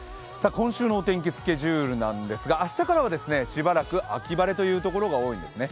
今週のお天気スケジュールなんですが、明日からはしばらく秋晴れというところが多いんですね。